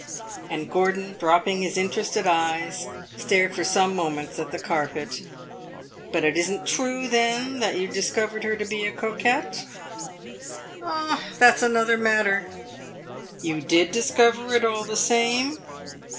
and Gordon, dropping his interested eyes, stared for some moments at the carpet. "But it is n't true, then, that you discovered her to be a coquette?" "Ah, that 's another matter." "You did discover it all the same?"